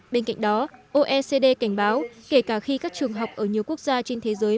bên cạnh đó oecd cảnh báo kể cả khi các trường học ở nhiều quốc gia trên thế giới